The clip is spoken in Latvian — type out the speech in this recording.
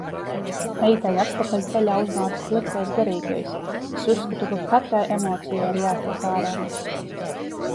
Meitai atpakaļceļā uznāca sliktais garīgais. Es uzskatu, ka katrai emocija ir jātiek ārā.